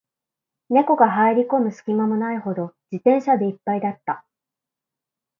猫が入る込む隙間もないほど、自転車で一杯だった